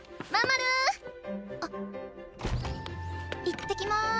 いってきます。